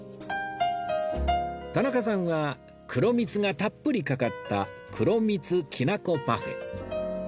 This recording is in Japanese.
田中さんは黒みつがたっぷりかかった黒みつきなこパフェ